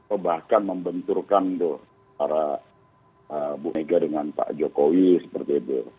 oh bahkan membenturkan tuh antara bu mega dengan pak jokowi seperti itu